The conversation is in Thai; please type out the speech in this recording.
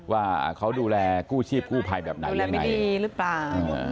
ว่าเขาดูแลกู้ชีพกู้ภัยแบบไหนยังไงดีหรือเปล่า